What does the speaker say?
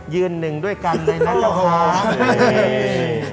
ยืนหนึ่งด้วยกันเลยนะครับผม